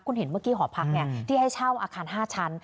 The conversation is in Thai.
คุณเห็นเมื่อกี้หอพักที่ให้เช่าอาคาร๕ชั้น